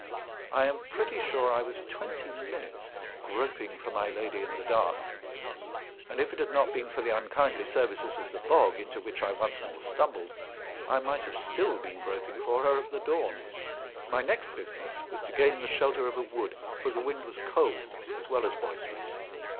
I am pretty sure I was twenty minutes groping for my lady in the dark; and if it had not been for the unkindly services of the bog, into which I once more stumbled, I might have still been groping for her at the dawn. My next business was to gain the shelter of a wood, for the wind was cold as well as boisterous.